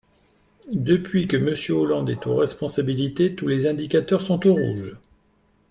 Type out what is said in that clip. Depuis que Monsieur Hollande est aux responsabilités, tous les indicateurs sont au rouge.